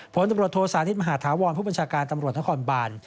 ผลตำรวจโทษานิทมหาธาวรผู้บัญชาการตำรวจนครบาน